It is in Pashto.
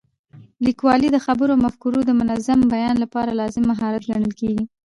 لیکوالی د خبرو او مفکورو د منظم بیان لپاره لازمي مهارت ګڼل کېږي.